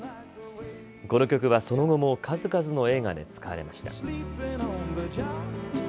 この曲はその後も数々の映画で使われました。